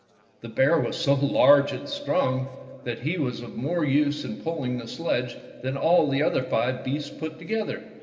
The bear was so large and strong that he was of more use in pulling the sledge than all the other five beasts put together.